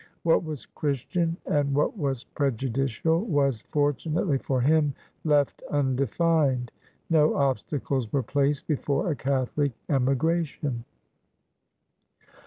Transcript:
What was Christian and what was prejudicial was, fortunately for him, left undefined. No obstacles were placed before a Cath olic emigration.